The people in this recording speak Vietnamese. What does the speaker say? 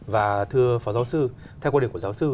và thưa phó giáo sư theo quan điểm của giáo sư